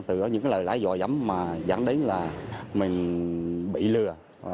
tự có những lời lãi dọa giấm mà dẫn đến là mình bị lừa